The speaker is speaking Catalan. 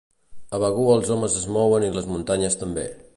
A Begur els homes es mouen i les muntanyes també.